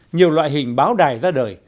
nhiều loại hình báo đài ra đời